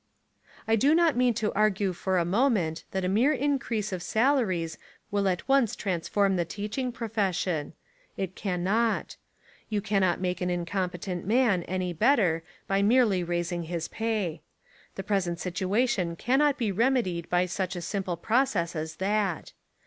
I do not mean to argue for a moment that a mere increase of salaries will at once trans form the teaching profession. It cannot. You cannot make an incompetent man any better by merely raising his pay. The present situation cannot be remedied by such a simple process as that.